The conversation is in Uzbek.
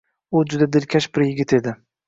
U juda dilkash bir yigit edi